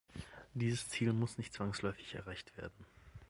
Dieses Ziel muss nicht zwangsläufig erreicht werden.